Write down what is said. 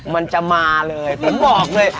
มันจะมาเลยผมบอกเลย